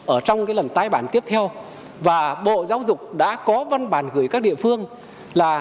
ở trong lần tái bản tiếp theo bộ giáo dục đã có văn bản gửi các địa phương là